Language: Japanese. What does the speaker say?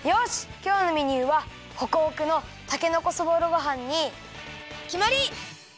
きょうのメニューはホクホクのたけのこそぼろごはんにきまり！